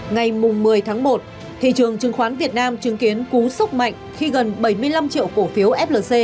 ngày một mươi tháng một thị trường chứng khoán việt nam chứng kiến cú sốc mạnh khi gần bảy mươi năm triệu cổ phiếu flc